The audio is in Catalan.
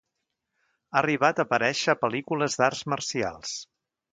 Ha arribat a aparèixer a pel·lícules d'arts marcials.